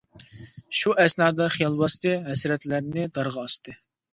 شۇ ئەسنادا خىيال باستى، ھەسرەتلەرنى دارغا ئاستى.